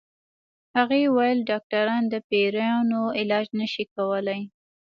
هغې ويل ډاکټران د پيريانو علاج نشي کولی